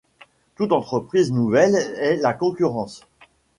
Toute entreprise nouvelle est la Concurrence !